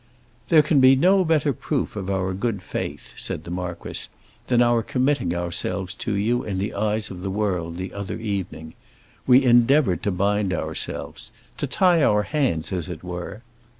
"There can be no better proof of our good faith," said the marquis, "than our committing ourselves to you in the eyes of the world the other evening. We endeavored to bind ourselves—to tie our hands, as it were."